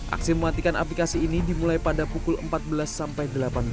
aksi mematikan aplikasi ini dimulai pada pukul empat belas sampai delapan belas